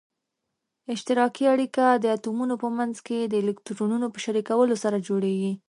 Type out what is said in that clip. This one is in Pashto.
اشتراکي اړیکه د اتومونو په منځ کې د الکترونونو په شریکولو سره جوړیږي.